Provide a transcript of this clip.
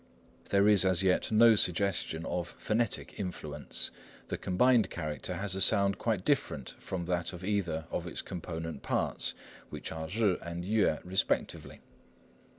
There is as yet no suggestion of phonetic influence. The combined character has a sound quite different from that of either of its component parts, which are jih and yüeh respectively.